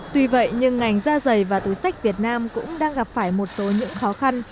tuy vậy nhưng ngành da dày và túi sách việt nam cũng đang gặp phải một số những khó khăn